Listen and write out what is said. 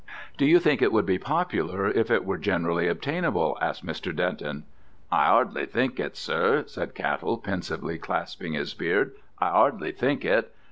"Do you think it would be popular if it were generally obtainable?" asked Mr. Denton. "I 'ardly think it, sir," said Cattell, pensively clasping his beard. "I 'ardly think it.